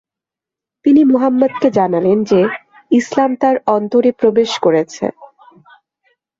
তিনি মুহাম্মাদ কে জানালেন যে ইসলাম তার অন্তরে প্রবেশ করেছে।